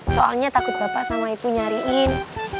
soalnya takut bapak sama ibu nyariin